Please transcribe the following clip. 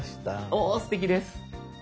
おすてきです。